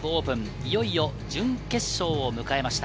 いよいよ準決勝を迎えました。